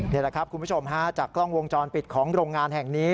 นี่แหละครับคุณผู้ชมฮะจากกล้องวงจรปิดของโรงงานแห่งนี้